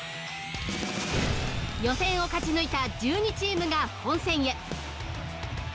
予選を勝ち抜いた１２チームが本戦へ。